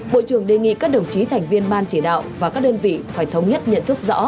bộ trưởng đề nghị các đồng chí thành viên ban chỉ đạo và các đơn vị phải thống nhất nhận thức rõ